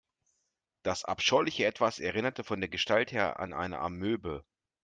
Das abscheuliche Etwas erinnerte von der Gestalt her an eine Amöbe.